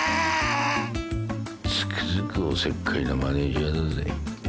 つくづくおせっかいなマネジャーだぜ。